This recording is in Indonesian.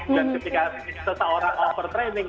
dan ketika seseorang overtraining